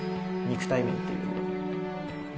肉体面っていうよりは。